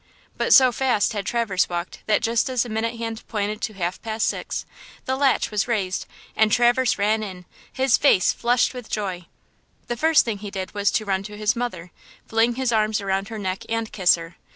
But so fast had Traverse walked that just as the minute hand pointed to half past six the latch was raised and Traverse ran in–his face flushed with joy. The first thing he did was to run to his mother, fling his arms around her neck and kiss her.